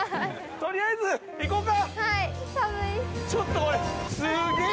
とりあえず、行こうか。